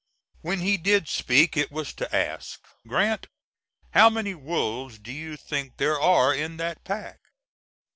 When he did speak it was to ask: "Grant, how many wolves do you think there are in that pack?"